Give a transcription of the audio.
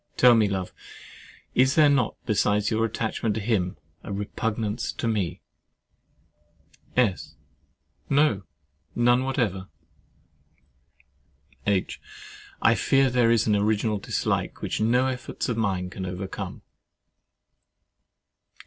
Tell me, love, is there not, besides your attachment to him, a repugnance to me? S. No, none whatever. H. I fear there is an original dislike, which no efforts of mine can overcome.